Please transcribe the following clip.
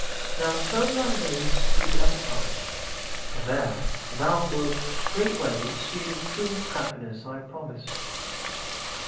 Now turn thy gaze to the other side; there thou wilt straightway see the true happiness I promised.'